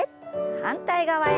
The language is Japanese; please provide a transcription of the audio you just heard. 反対側へ。